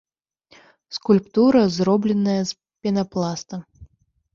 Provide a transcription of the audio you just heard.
Скульптура зробленая з пенапласта.